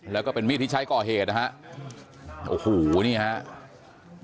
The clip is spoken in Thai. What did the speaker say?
แล้วก็เป็นมีดที่ใช้ก่อเหตุนะฮะโอ้โหนี่ครับ